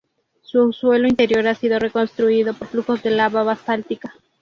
Su suelo interior ha sido reconstituido por flujos de lava basáltica.